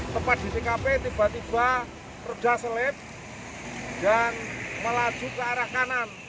tempat di tkp tiba tiba reda selip dan melaju ke arah kanan